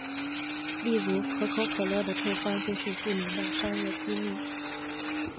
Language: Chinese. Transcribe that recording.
例如可口可乐的配方就是著名的商业秘密。